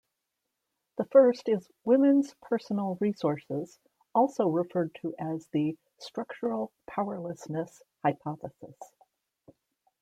The first is women's personal resources, also referred to as the "structural powerlessness hypothesis".